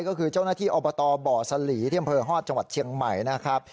ก็คือเจ้าหน้าที่อบตบ่อสลีที่อำเภอฮอตจังหวัดเชียงใหม่นะครับ